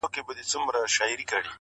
یو سړي ؤ په یو وخت کي سپی ساتلی،